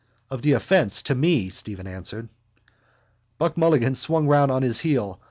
—Of the offence to me, Stephen answered. Buck Mulligan swung round on his heel.